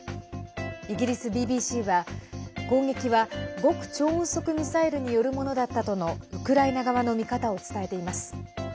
イギリスＢＢＣは攻撃は極超音速ミサイルによるものだったとのウクライナ側の見方を伝えています。